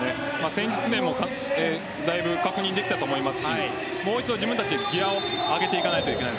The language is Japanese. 戦術面もだいぶ確認できたと思いますしもう一度、自分たちでギアを上げていかないといけない。